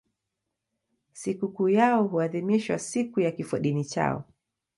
Sikukuu yao huadhimishwa siku ya kifodini chao.